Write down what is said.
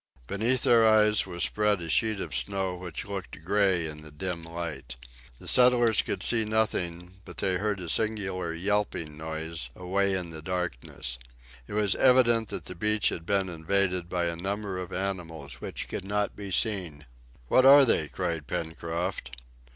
Beneath their eyes was spread a sheet of snow which looked gray in the dim light. The settlers could see nothing, but they heard a singular yelping noise away in the darkness. It was evident that the beach had been invaded by a number of animals which could not be seen. "What are they?" cried Pencroft.